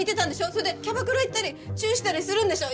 それでキャバクラ行ったりチューしたりするんでしょ？